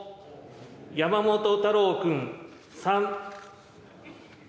山本太郎君３。